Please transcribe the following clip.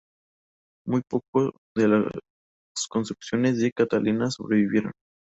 Muy poco de las construcciones de Catalina sobrevivieron.